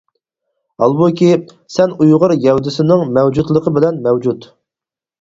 ھالبۇكى، سەن ئۇيغۇر گەۋدىسىنىڭ مەۋجۇتلۇقى بىلەن مەۋجۇت.